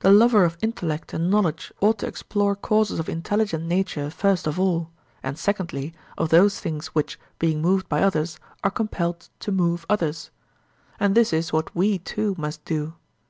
The lover of intellect and knowledge ought to explore causes of intelligent nature first of all, and, secondly, of those things which, being moved by others, are compelled to move others. And this is what we too must do.